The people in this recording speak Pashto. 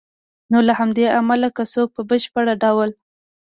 نو له همدې امله که څوک په بشپړ ډول